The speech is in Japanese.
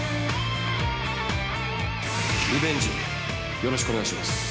◆リベンジよろしくお願いします。